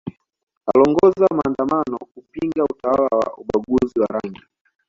aliongoza maandamano kupinga utawala wa ubaguzi wa rangi